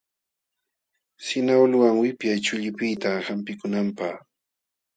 Sinawluwan wipyay chullipiqta hampikunanpaq.